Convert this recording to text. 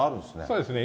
そうですね。